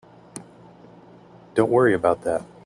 Don't worry about that.